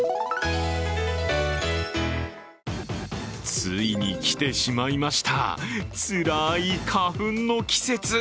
ついに来てしまいましたつらい花粉の季節。